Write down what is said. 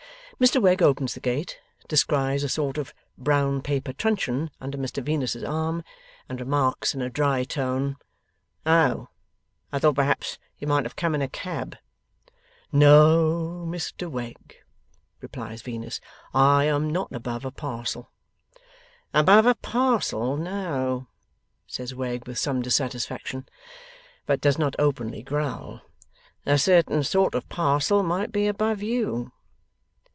Mr Wegg opens the gate, descries a sort of brown paper truncheon under Mr Venus's arm, and remarks, in a dry tone: 'Oh! I thought perhaps you might have come in a cab.' 'No, Mr Wegg,' replies Venus. 'I am not above a parcel.' 'Above a parcel! No!' says Wegg, with some dissatisfaction. But does not openly growl, 'a certain sort of parcel might be above you.